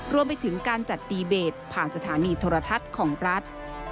รวมไปถึงการจัดดีเบตผ่านสถานีโทรทัศน์ของรัฐ